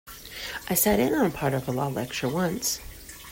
I sat in on part of a law lecture once.